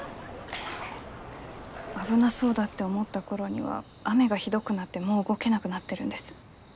危なそうだって思った頃には雨がひどくなってもう動けなくなってるんです。